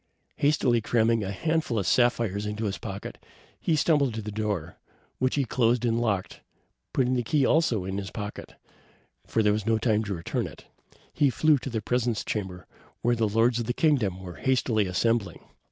Hastily cramming a handful of sapphires into his pocket, he stumbled to the door, which he closed and locked, putting the key also in his pocket, as there was no time to return it. He flew to the presence chamber, where the lords of the kingdom were hastily assembling.